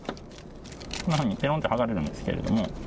こんなふうにぺろんと剥がれるんですけれども。